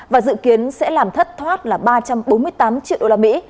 và dự kiến sẽ làm thất thoát là ba trăm bốn mươi tám triệu đô la mỹ